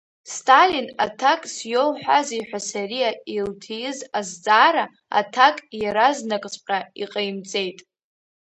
Сталин аҭакс иоуҳәазеи ҳәа Сариа илҭииз азҵаара аҭак еразнакҵәҟьа иҟаимҵеит.